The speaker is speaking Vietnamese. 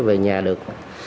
về nhà được